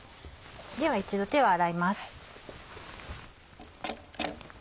では一度手を洗います。